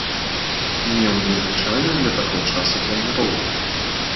Меў незвычайную для таго часу планіроўку.